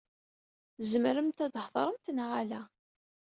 Tzemremt ad theḍṛemt neɣ ala?